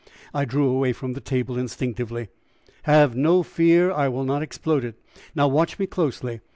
I drew away from the table instinctively. "Have no fear, I will not explode it. Now watch me closely.